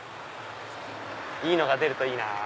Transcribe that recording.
いいのが出るといいなぁ。